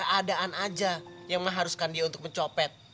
cuma keadaan saja yang mengharuskan dia untuk mencopet